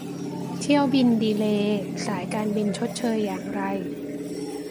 เที่ยวบินดีเลย์สายการบินชดเชยอย่างไร ?